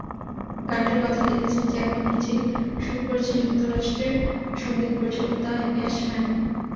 গানটির কথা লিখেছেন জ্যাকো নিজেই, সুর করেছেন যুক্তরাষ্ট্রের সংগীত পরিচালক দ্য ইয়শম্যান।